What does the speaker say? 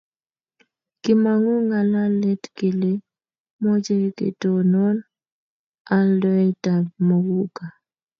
kimong'u ng'alalet kele mochei ketonon aldaetab muguka